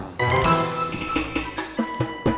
kamu mau berapa